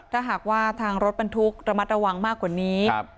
ถ้าหากว่าทางรถบรรทุกระมัดระวังมากกว่านี้